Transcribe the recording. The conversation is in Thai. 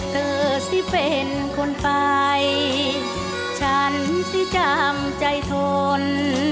เธอสิเป็นคนไปฉันสิจำใจทน